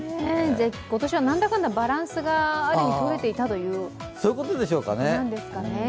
今年はなんだかんだバランスがある意味とれていたということなんですかね。